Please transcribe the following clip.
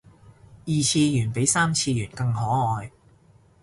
二次元比三次元更可愛